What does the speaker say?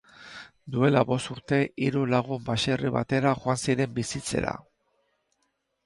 Duela bost urte hiru lagun baserri batera joan ziren bizitzera.